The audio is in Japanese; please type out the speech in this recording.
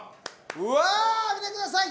うわぁ見てください。